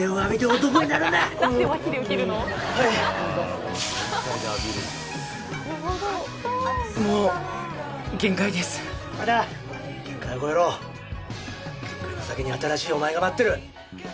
これの先に新しいお前が待ってる！